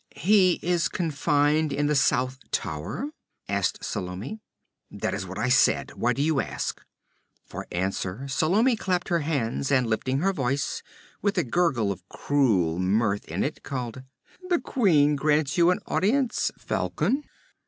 'He is confined in the south tower?' asked Salome. 'That is what I said. Why do you ask?' For answer Salome clapped her hands, and lifting her voice, with a gurgle of cruel mirth in it, called: 'The queen grants you an audience, Falcon!'